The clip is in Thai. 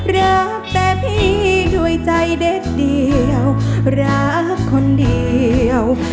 รักแต่พี่ด้วยใจเด็ดเดียวรักคนเดียว